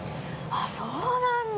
あっそうなんだ！